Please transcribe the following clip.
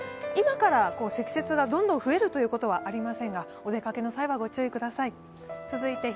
今から積雪がどんどん増えるということはありませんが、お出かけの際はご注意ください。